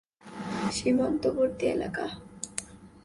সীমান্তবর্তী এলাকা।